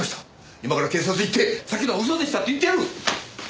今から警察行ってさっきのは嘘でしたって言ってやる！